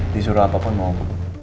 disuruh apa pun mohon